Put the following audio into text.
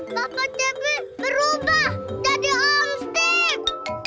bapak cepi berubah jadi om stip